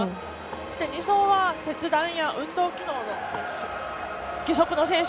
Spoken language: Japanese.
そして２走は切断や運動機能の選手。